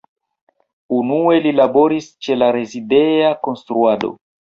Unue li laboris ĉe la rezideja konstruado.